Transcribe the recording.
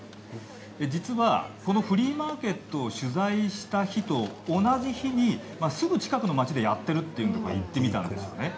実は、このフリーマーケットを取材した日と同じ日にすぐ近くの街でやっているというので行ってみたんです。